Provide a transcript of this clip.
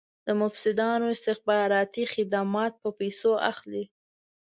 د مفسدانو استخباراتي خدمات په پیسو اخلي.